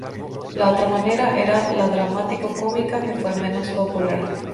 La otra manera era la dramático-cómica, que fue menos popular.